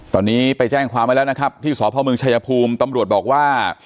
ตอนนี้ไปแจ้งความไว้แล้วนะครับที่สพเมืองชายภูมิตำรวจบอกว่า